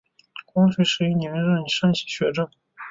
光绪十一年任山西学政。